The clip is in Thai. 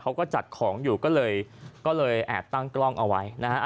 เขาก็จัดของอยู่ก็เลยแอบตั้งกล้องเอาไว้นะฮะ